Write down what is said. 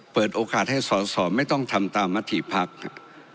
เปิดโอกาสให้สอดสอบไม่ต้องทำตามธีพักษ์ฮะ